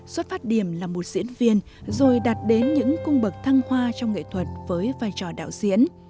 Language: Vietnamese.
xuất phát điểm là một diễn viên rồi đặt đến những cung bậc thăng hoa trong nghệ thuật với vai trò đạo diễn